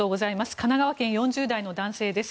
神奈川県４０代の男性です。